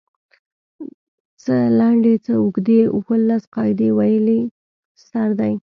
څۀ لنډې څۀ اوږدې اووه لس قاعدې ويلی سر دی